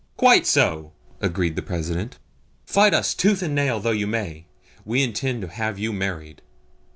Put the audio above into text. "Quite so," agreed the President. "Fight us tooth and nail though you may, we intend to have you married.